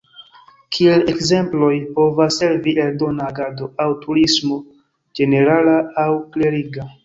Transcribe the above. Kiel ekzemploj povas servi eldona agado aŭ turismo (ĝenerala aŭ kleriga).